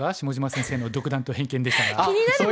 下島先生の独断と偏見でしたが。